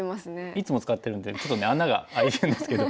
いつも使ってるんでちょっとね穴が開いてるんですけど。